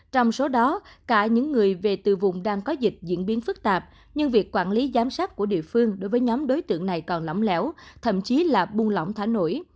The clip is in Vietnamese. trong số đó cả những người về từ vùng đang có dịch diễn biến phức tạp nhưng việc quản lý giám sát của địa phương đối với nhóm đối tượng này còn lỏng lẻo thậm chí là buông lỏng thả nổi